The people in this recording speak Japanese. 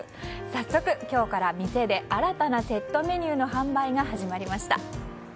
早速、今日から店で新たなセットメニューの販売が始まりました。